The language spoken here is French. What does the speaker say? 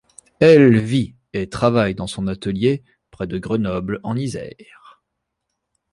Elle vit et travaille dans son atelier près de Grenoble en Isère.